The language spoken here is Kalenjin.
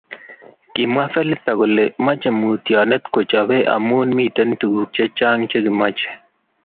Kimwa Felista kole mochei mutionet kechobei amu miten tukuuk che chang che kimochei.